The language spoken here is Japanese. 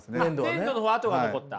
粘土の方は跡が残った。